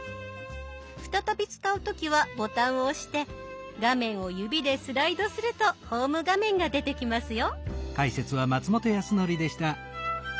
再び使う時はボタンを押して画面を指でスライドするとホーム画面が出てきますよ。